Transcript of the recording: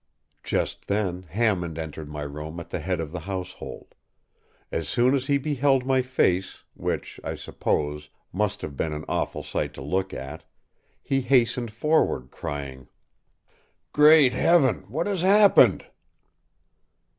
Just then Hammond entered my room at the head of the household. As soon as he beheld my face—which, I suppose, must have been an awful sight to look at—he hastened forward, crying, “Great Heaven, what has happened?